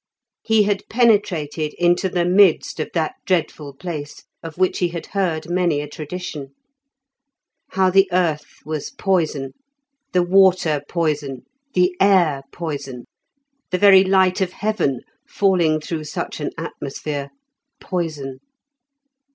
He had penetrated into the midst of that dreadful place, of which he had heard many a tradition: how the earth was poison, the water poison, the air poison, the very light of heaven, falling through such an atmosphere, poison.